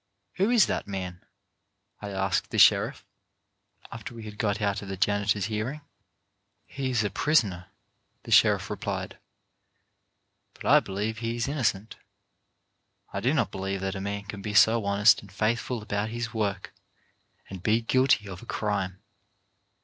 ' 'Who is that man?" I asked the sheriff, after we had got out of the janitor's hearing. 222 CHARACTER BUILDING ' "He is a prisoner," the sheriff replied, "but I believe he is innocent. I do not believe that a man can be so honest and faithful about his work and be guilty of a crime.